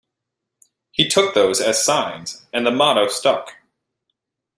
He took those as signs, and the motto stuck.